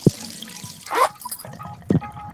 حسد ذهن خوري